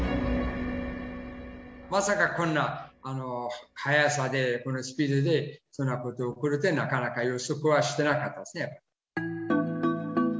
まさかこんな速さで、このスピードでそんなこと起こるって、なかなか予測はしてなかったですね、やっぱり。